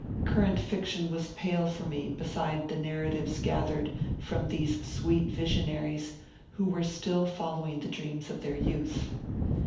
Current fiction was pale for me beside the narratives gathered from these sweet visionaries who were still following the dreams of their youth.